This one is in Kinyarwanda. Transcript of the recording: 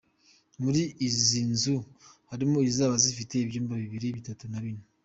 Muri izo nzu harimo izizaba zifite ibyumba bibiri, bitatu na bine.